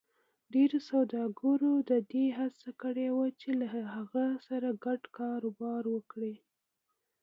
ډېرو سوداګرو د دې هڅه کړې وه چې له هغه سره ګډ کاروبار وکړي.